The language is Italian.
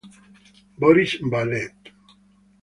Boris Vallée